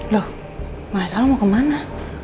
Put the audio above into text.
loh mas al mau kemana